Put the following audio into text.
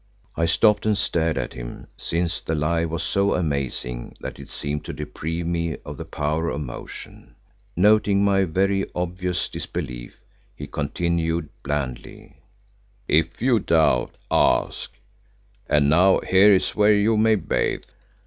I stopped and stared at him, since the lie was so amazing that it seemed to deprive me of the power of motion. Noting my very obvious disbelief he continued blandly, "If you doubt, ask. And now here is where you may bathe."